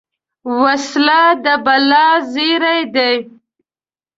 وسله د بلا زېری ده